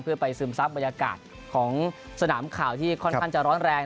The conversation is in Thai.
เพื่อไปซึมซับบรรยากาศของสนามข่าวที่ค่อนข้างจะร้อนแรง